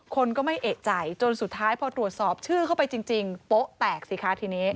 คนก็ไม่เอกใจจนสุดท้ายพอตรวจสอบชื่อเข้าไปจริงโป๊ะแตกสิคะทีนี้